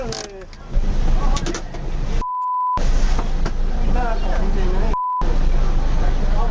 แล้ว